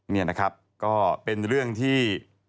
นี่นะครับก็เป็นเรื่องที่